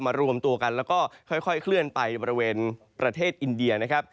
รวมตัวกันแล้วก็ค่อยเคลื่อนไปบริเวณประเทศอินเดียนะครับ